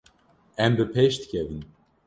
Em bi pêş dikevin.